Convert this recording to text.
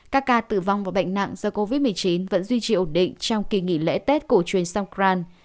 các ca tử vong và bệnh nặng do covid một mươi chín vẫn duy trì ổn định trong kỳ nghỉ lễ tết cổ truyền songkran